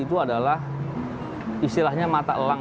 seolah olah istilahnya mata elang